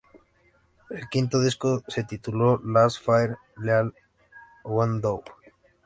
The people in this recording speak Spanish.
El quinto disco se tituló "Last Fair Deal Gone Down".